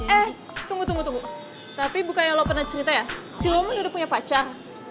eh tunggu tunggu tunggu tapi bukannya lo pernah cerita ya si lo udah punya pacar